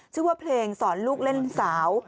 ชื่อว่าเพลงสอนลูกเล่นสาว